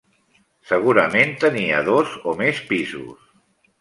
Segurament tenia dos o més pisos.